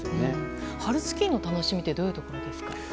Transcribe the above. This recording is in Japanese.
春スキーの楽しみってどういうところですか？